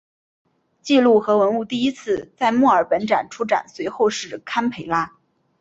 记录和文物第一次在墨尔本展出随后是堪培拉。